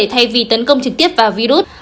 thay vì tấn công trực tiếp vào virus